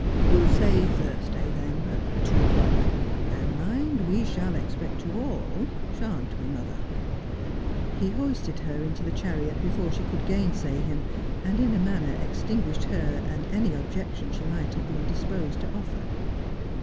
" We'll say Thursday then, at two o'clock ; and mind, we shall expect you all, shan't we, mother ?" He hoisted her into the chariot before she could gainsay him, and in a manner extinguished her and any objection she might have been disposed to offer.